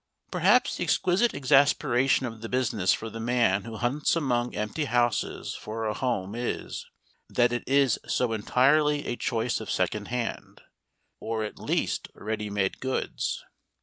Perhaps the exquisite exasperation of the business for the man who hunts among empty houses for a home is, that it is so entirely a choice of second hand, or at least ready made goods.